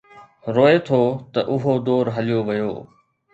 روئي ٿو ته اهو دور هليو ويو.